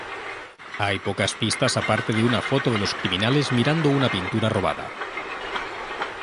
Hay pocas pistas aparte de una foto de los criminales mirando una pintura robada.